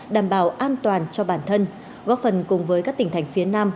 đảm bảo an toàn cho bản thân góp phần cùng với các tỉnh thành phía nam